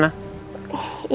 iya mas sebentar